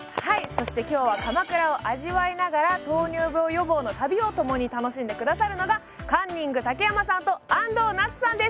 そして今日は鎌倉を味わいながら糖尿病予防の旅を共に楽しんでくださるのがカンニング竹山さんと安藤なつさんです。